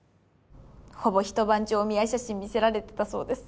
ほぼひと晩中お見合い写真見せられてたそうです。